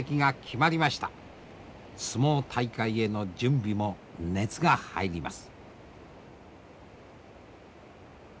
相撲大会への準備も熱が入ります。